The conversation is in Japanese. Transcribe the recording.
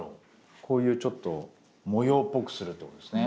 こういうちょっと模様っぽくするってことですね。